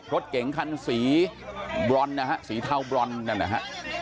รถเก๋งคันสีบรอนนะฮะสีเทาบรอนนั่นนะฮะ